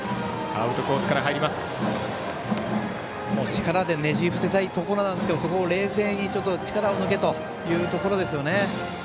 力でねじ伏せたいところなんですけどそこを冷静に力を抜けというところですよね。